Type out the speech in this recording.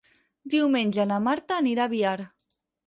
Diumenge na Marta anirà a Biar.